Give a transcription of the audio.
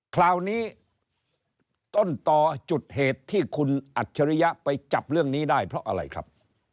คราวนี้ต้นต่อจุดเหตุที่คุณอัจฉริยะไปจับเรื่องนี้ได้เพราะอะไรครับ